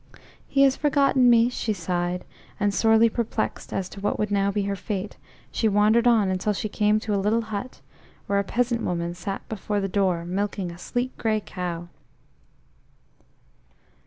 "He has forgotten me," she sighed, and sorely perplexed as to what would now be her fate, she wandered on until she came to a little hut, where a peasant woman sat before the door milking a sleek grey cow.